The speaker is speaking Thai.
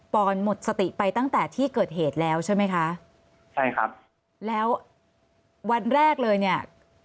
อนหมดสติไปตั้งแต่ที่เกิดเหตุแล้วใช่ไหมคะใช่ครับแล้ววันแรกเลยเนี่ย